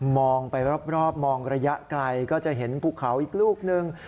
มองไปรอบมองระยะไกลก็จะเห็นภูเขาอีกลูกนึง